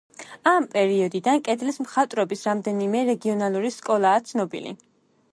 ამ პერიოდიდან კედლის მხატვრობის რამდენიმე რეგიონალური სკოლაა ცნობილი.